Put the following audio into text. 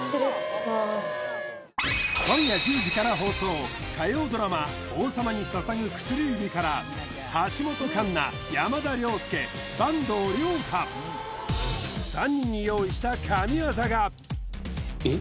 今夜１０時から放送火曜ドラマ「王様に捧ぐ薬指」から橋本環奈山田涼介坂東龍汰３人に用意した神業がえっ？